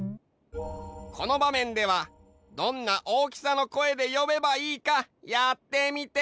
このばめんではどんな大きさの声でよべばいいかやってみて。